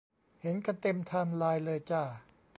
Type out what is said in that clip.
เห็นกันเต็มไทม์ไลน์เลยจ้า